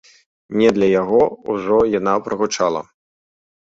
Не для яго ўжо яна прагучала.